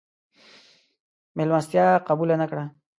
مېلمستیا قبوله نه کړه.